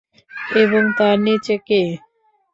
এবং তার নিচে কে?